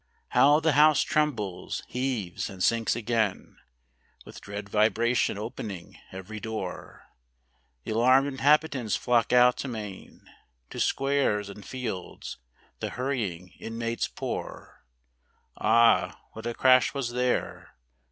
How the house trembles, heaves, and sinks again, With dread vibration opening every door; Th' alarmed inhabitants flock out amain, To squares, and fields, the hurrying inmates pour. Ah, what a crash was there